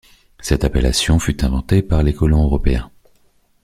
Cette appellation fut inventée par les colons européens.